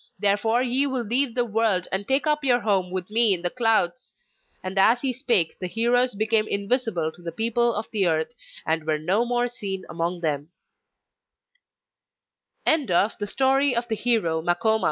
Therefore ye will leave the world and take up your home with me in the clouds.' And as he spake the heroes became invisible to the people of the Earth, and were no more seen amon